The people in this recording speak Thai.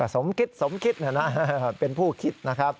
สมคิดสมคิดเป็นผู้คิดนะครับ